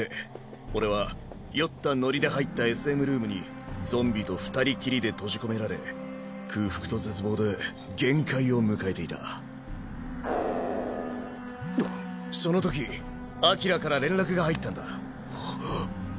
俺は酔ったノリで入ったＳＭルームにゾンビと二人きりで閉じ込められ空腹と絶望で限界を迎えていたグゥそのときアキラから連絡が入ったんだはっ！